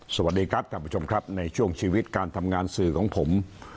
สวัสดีครับท่านผู้ชมครับในช่วงชีวิตการทำงานสื่อของผม